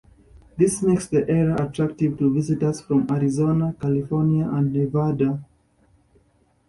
This makes the area attractive to visitors from Arizona, California, and Nevada.